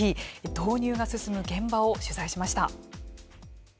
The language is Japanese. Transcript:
導入が進む現場を取材しました。